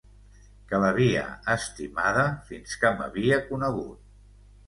Que l'havia estimada fins que m'havia conegut.